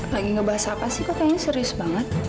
lagi ngebahas apa sih kok kayaknya serius banget